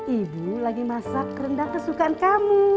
ibu lagi masak rendang kesukaan kamu